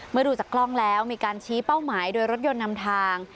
ดูจากกล้องแล้วมีการชี้เป้าหมายโดยรถยนต์นำทาง